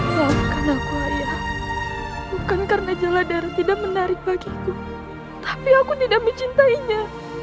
maafkan aku haya bukan karena jalan darat tidak menarik bagiku tapi aku tidak mencintainya